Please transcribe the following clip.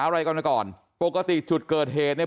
แล้วก็แดง